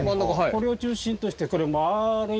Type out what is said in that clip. これを中心としてこれ円い。